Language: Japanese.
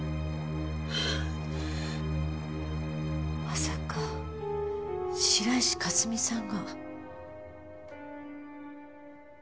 まさか白石佳澄さんが。